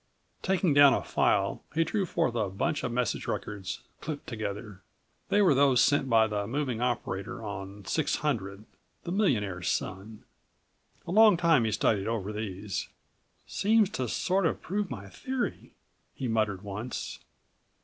Taking down a file he drew forth a bunch of message records clipped together. They were those sent by the moving operator on 600, the millionaire's son. A long time he studied over these. "Seems to sort of prove my theory," he muttered once.